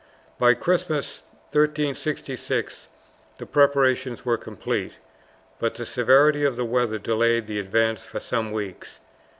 By Christmas, 1366, the preparations were complete, but the severity of the weather delayed the advance for some weeks.